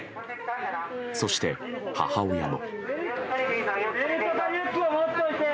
そして、母親も。